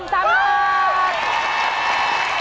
โทษค่ะโทษค่ะโทษค่ะ